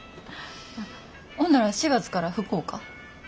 ほんなら４月から福岡？